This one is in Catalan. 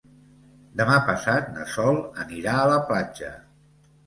Demà passat na Sol anirà a la platja.